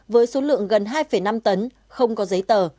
với số lượng gần hai năm tấn không có giấy tờ